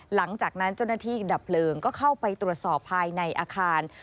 หลังจากนั้นเจ้าหน้าที่ดับเพลิงก็เข้าไปตรวจสอบภายในอาคาร